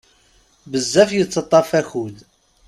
Bezzaf yettaṭaf akud.